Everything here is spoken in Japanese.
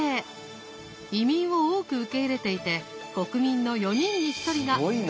移民を多く受け入れていて国民の４人に１人が外国からの移民。